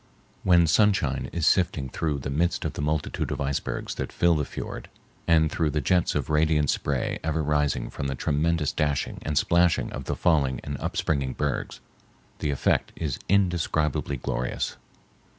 When sunshine is sifting through the midst of the multitude of icebergs that fill the fiord and through the jets of radiant spray ever rising from the tremendous dashing and splashing of the falling and upspringing bergs, the effect is indescribably glorious.